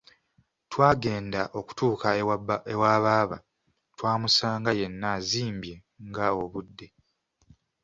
Twagenda okutuuka ewa baaba twamusanga yenna azimbye nga obudde.